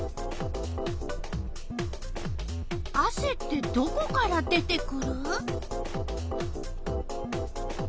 あせってどこから出てくる？